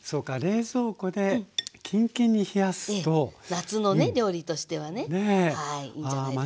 夏のね料理としてはねはいいいんじゃないですか。